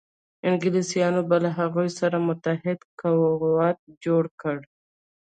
انګلیسیان به له هغوی سره متحد قوت جوړ کړي.